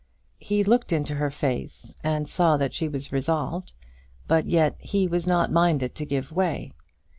He looked into her face and saw that she was resolved, but yet he was not minded to give way.